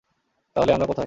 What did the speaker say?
তাহলে, আমরা কোথায়?